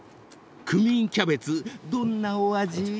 ［クミンキャベツどんなお味？］